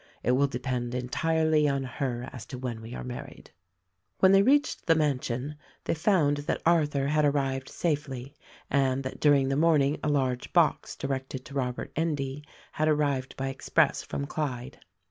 It will depend entirely on her as to when we are married." When they reached the mansion they found that Arthur had arrived safely and that during the morning a large box directed to Robert Endy had arrived by express from Clyde.